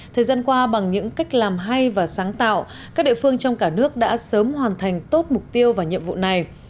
thời gian qua bằng những cách làm hay và sáng tạo các địa phương trong cả nước đã sớm hoàn thành tốt mục tiêu và nhiệm vụ này